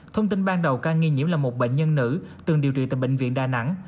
thông tin ban đầu ca nghi nhiễm là một bệnh nhân nữ từng điều trị tại bệnh viện đà nẵng